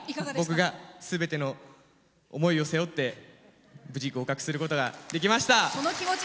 僕がすべての思いを背負って無事、合格することができました。